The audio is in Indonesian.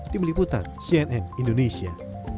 di meliputan cnn indonesia